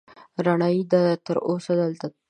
رڼايي يې ده، تر اوسه دلته پاتې